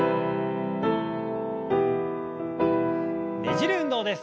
ねじる運動です。